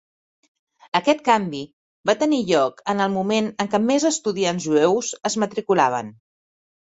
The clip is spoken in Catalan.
Aquest canvi va tenir lloc en el moment en què més estudiants jueus es matriculaven.